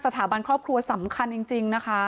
สถาบันครอบครัวสำคัญจริงนะคะ